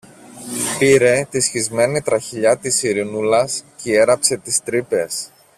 πήρε τη σχισμένη τραχηλιά της Ειρηνούλας κι έραψε τις τρύπες.